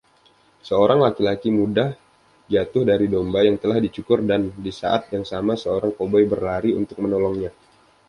Seorang laki-laki muda jatuh dari domba yang telah dicukur dan di saat yang sama seorang koboi berlari untuk menolongnya,